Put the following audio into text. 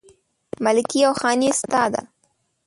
ملکي او خاني ستا ده